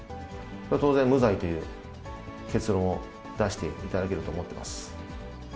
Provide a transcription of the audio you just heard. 当然、無罪という結論を出していただけると思っています。